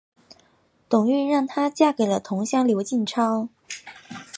董瑀让她嫁给了同乡刘进超。